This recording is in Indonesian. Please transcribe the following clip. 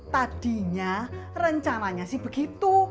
tadinya rencananya sih begitu